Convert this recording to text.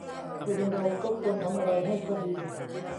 คนเราก็ควรทำอะไรให้พอดี